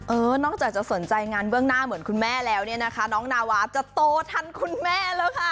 นอกจากจะสนใจงานเบื้องหน้าเหมือนคุณแม่แล้วเนี่ยนะคะน้องนาวาจะโตทันคุณแม่แล้วค่ะ